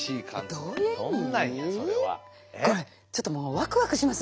これちょっともうワクワクします